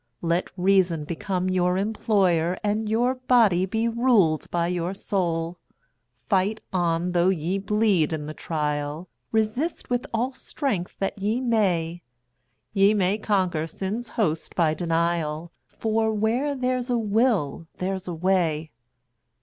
Let Reason become your employer, And your body be ruled by your soul. Fight on, though ye bleed in the trial, Resist with all strength that ye may; Ye may conquer Sin's host by denial; For "Where there's a will there's a way."